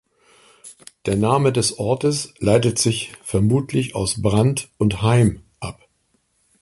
Der Name des Ortes leitet sich vermutlich aus Brand und Heim ab.